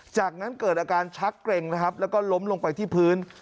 จากนั้นเกิดอาการชักเกร็งนะครับแล้วก็ล้มลงไปที่พื้น